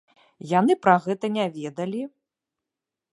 Яны пра гэта не ведалі?